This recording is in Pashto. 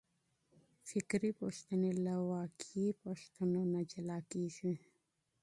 نظري پوښتنې له واقعي پوښتنو نه جلا کیږي.